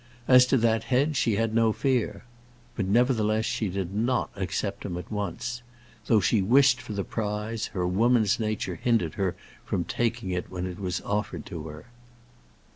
As to that head she had no fear. But nevertheless she did not accept him at once. Though she wished for the prize, her woman's nature hindered her from taking it when it was offered to her.